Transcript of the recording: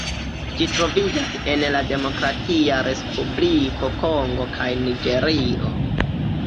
Ĝi troviĝas en la Demokratia Respubliko Kongo kaj Niĝerio.